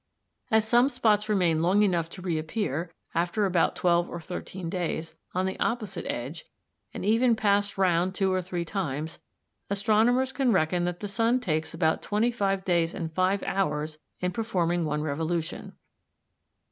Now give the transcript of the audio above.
As some spots remain long enough to reappear, after about twelve or thirteen days, on the opposite edge, and even pass round two or three times, astronomers can reckon that the sun takes about twenty five days and five hours in performing one revolution.